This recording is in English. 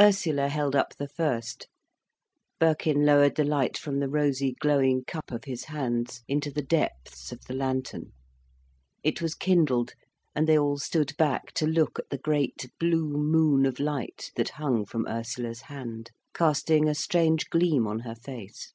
Ursula held up the first, Birkin lowered the light from the rosy, glowing cup of his hands, into the depths of the lantern. It was kindled, and they all stood back to look at the great blue moon of light that hung from Ursula's hand, casting a strange gleam on her face.